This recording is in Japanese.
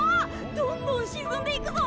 どんどん沈んでいくぞ。